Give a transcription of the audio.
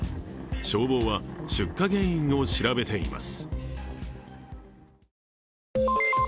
消防は、出火原因を調べています。